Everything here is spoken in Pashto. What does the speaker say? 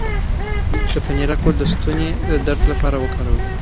د پنیرک ګل د ستوني د درد لپاره وکاروئ